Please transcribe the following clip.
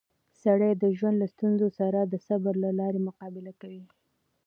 سړی د ژوند له ستونزو سره د صبر له لارې مقابله کوي